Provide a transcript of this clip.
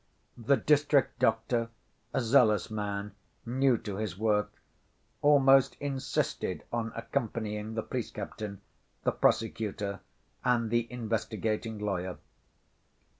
The district doctor, a zealous man, new to his work, almost insisted on accompanying the police captain, the prosecutor, and the investigating lawyer.